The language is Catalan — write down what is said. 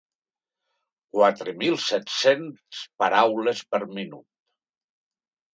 Quatre mil set-cents paraules per minut.